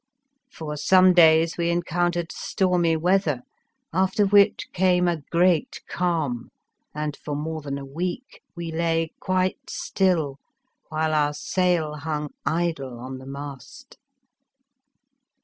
For some days we encountered stormy weather, after which came a great calm, and for more than a week we lay quite still, while our sail hung idle on the mast.